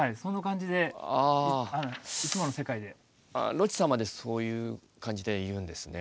ロッチさんまでそういう感じで言うんですね。